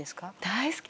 大好き。